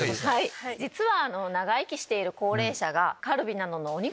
実は。